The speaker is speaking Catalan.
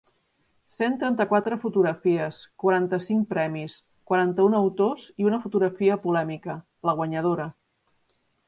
Cent trenta-quatre fotografies, quaranta-cinc premis, quaranta-un autors i una fotografia polèmica, la guanyadora.